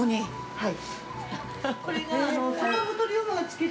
◆はい。